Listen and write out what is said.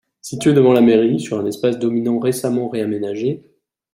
Situé devant la mairie, sur un espace dominant récemment réaménagé.